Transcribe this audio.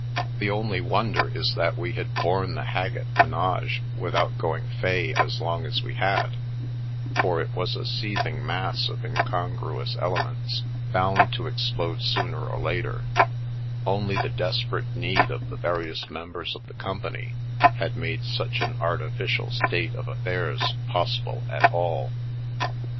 The only wonder is that we had borne the Hag gett menage without going fey as long as we had, for it was a seething mass of incongruous elements, bound to explode sooner or later; only the desperate need of the various members of the company had made such an artificial state of affairs possible at all.